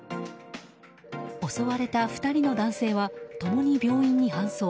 襲われた２人の男性は共に病院に搬送。